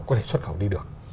có thể xuất khẩu đi được